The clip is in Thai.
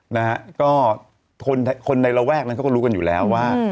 นะฮะก็คนในระแวกนั้นเขาก็รู้กันอยู่แล้วว่า